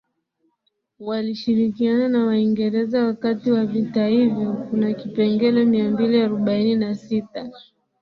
walishirikiana na Waingereza wakati wa vita Hivyo kuna kipengele mia mbili arobaini na sita